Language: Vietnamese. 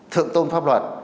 thượng tôn pháp luật